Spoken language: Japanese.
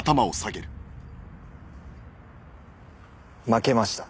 負けました。